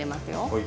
はい。